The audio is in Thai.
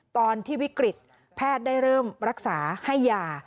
ตอนที่วิกฤตแพทย์ได้เริ่มรักษาให้ยา